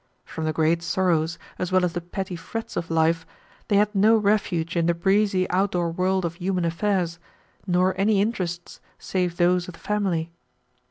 From the great sorrows, as well as the petty frets of life, they had no refuge in the breezy outdoor world of human affairs, nor any interests save those of the family.